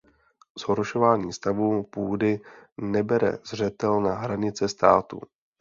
Zhoršování stavu půdy nebere zřetel na hranice států.